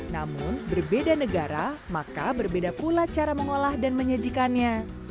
namun berbeda negara maka berbeda pula cara mengolah dan menyajikannya